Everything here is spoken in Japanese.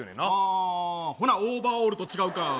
あー、ほなオーバーオールと違うか。